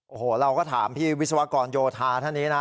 โอ้โหเราก็ถามพี่วิศวกรโยธาท่านนี้นะ